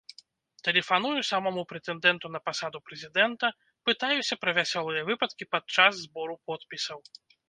Тэлефаную самому прэтэндэнту на пасаду прэзідэнта, пытаюся пра вясёлыя выпадкі падчас збору подпісаў.